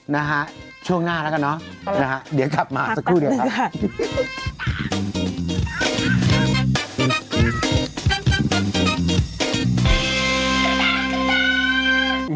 นะฮะช่วงหน้าแล้วกันเนอะนะฮะเดี๋ยวกลับมาสักครู่เดียวครับ